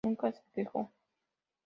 Nunca se quejó.